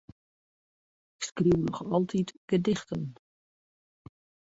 Ik skriuw noch altyd gedichten.